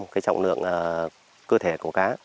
cái trọng lượng cơ thể của cá